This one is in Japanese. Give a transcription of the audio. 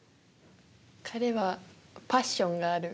「パッションがある」